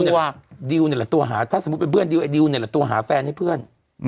ดิวเนี่ยแหละตัวหาถ้าสมมุติไอ้เบื่อนดิวอะเลยตัวหาแฟนให้เพื่อน